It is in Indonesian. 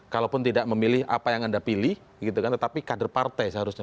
kalaupun tidak memilih apa yang anda pilih gitu kan tetapi kader partai seharusnya